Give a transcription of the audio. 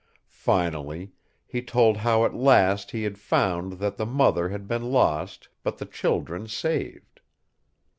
Finally he told how at last he had found that the mother had been lost, but the children saved.